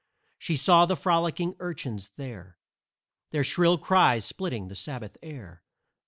She saw the frolicking urchins there, Their shrill cries splitting the Sabbath air.